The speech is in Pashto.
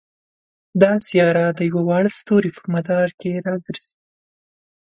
دا سیاره د یوه واړه ستوري په مدار کې را ګرځي.